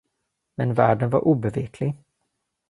Men värden var obeveklig.